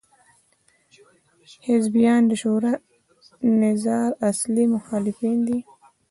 حزبیان د شورا نظار اصلي مخالفین دي.